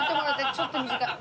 ちょっと短めに。